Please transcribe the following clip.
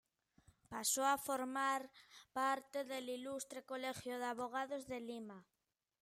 Pasó a formar parte del Ilustre Colegio de Abogados de Lima.